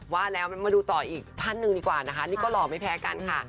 ว่าแล้วมาดูต่ออีกท่านหนึ่งดีกว่านะคะนี่ก็หล่อไม่แพ้กันค่ะ